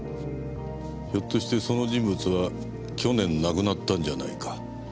ひょっとしてその人物は去年亡くなったんじゃないか。